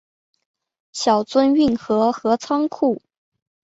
小樽运河和仓库